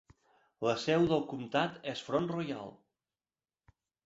La seu del comtat és Front Royal.